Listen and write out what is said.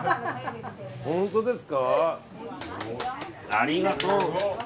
ありがとう。